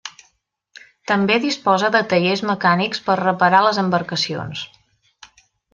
També disposa de tallers mecànics per reparar les embarcacions.